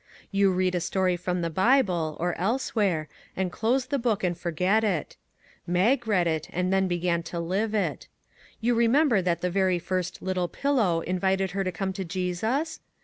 You read a story from the Bible, or elsewhere, and close the book and forget it. Mag read it, and then began to live it. You remember that the very first " Little Pillow " invited her to come to Jesus